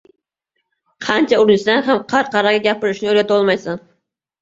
• Qancha urinsang ham qarqaraga gapirishni o‘rgatolmaysan.